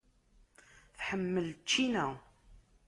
Tḥemmel ččina.